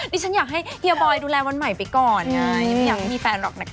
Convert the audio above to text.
ดิฉันอยากให้เฮียบอยดูแลวันใหม่ไปก่อนไงไม่อยากให้มีแฟนหรอกนะคะ